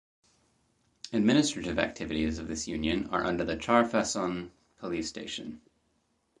Administrative activities of this union are under Char Fasson police Station.